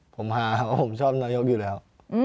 ผมหาเพราะผมชอบนายกอยู่แล้ว